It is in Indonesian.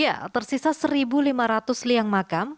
ya tersisa satu lima ratus liang makam